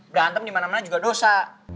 berantem dimana mana juga dosa